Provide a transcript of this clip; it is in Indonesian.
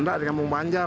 enggak di kampung banjar